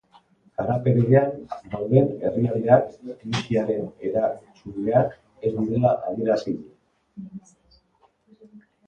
Garapen-bidean dauden herrialdeak krisiaren erantzuleak ez direla adierazi dute.